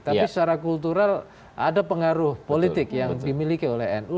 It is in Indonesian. tapi secara kultural ada pengaruh politik yang dimiliki oleh nu